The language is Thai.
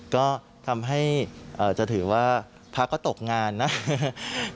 ก็ทำให้เอ่อจะถือว่าพระก็ตกงานน่ะฮ่าฮ่า